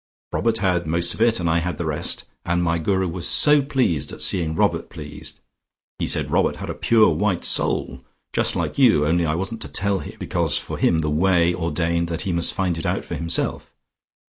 Robert had most of it and I had the rest, and my Guru was so pleased at seeing Robert pleased. He said Robert had a pure white soul, just like you, only I wasn't to tell him, because for him the Way ordained that he must find it out for himself.